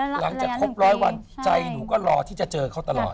หลังจากครบร้อยวันใจหนูก็รอที่จะเจอเขาตลอด